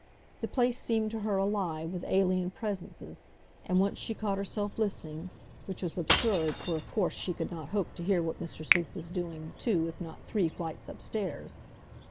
The place seemed to her alive with alien presences, and once she caught herself listening—which was absurd, for, of course, she could not hope to hear what Mr. Sleuth was doing two, if not three, flights upstairs.